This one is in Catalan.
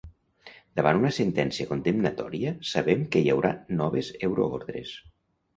Davant d'una sentència condemnatòria sabem que hi haurà noves euroordres.